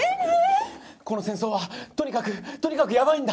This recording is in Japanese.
この戦争はとにかくとにかくやばいんだ。